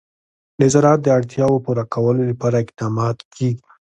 د زراعت د اړتیاوو پوره کولو لپاره اقدامات کېږي.